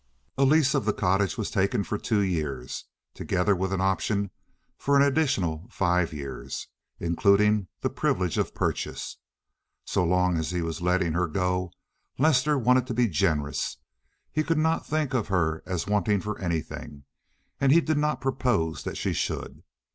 A lease of the cottage was taken for two years, together with an option for an additional five years, including the privilege of purchase. So long as he was letting her go, Lester wanted to be generous. He could not think of her as wanting for anything, and he did not propose that she should.